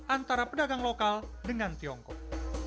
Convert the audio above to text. antara pedagang lokal dengan tiongkok